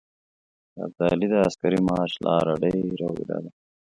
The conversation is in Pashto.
د ابدالي د عسکري مارچ لاره ډېره اوږده ده.